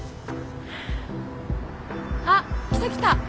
あっ来た来た！